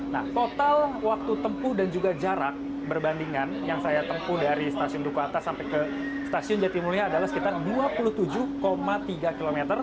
nah total waktu tempuh dan juga jarak berbandingan yang saya tempuh dari stasiun duku atas sampai ke stasiun jatimulia adalah sekitar dua puluh tujuh tiga km